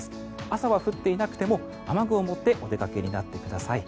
朝は降っていなくても雨具を持ってお出かけください。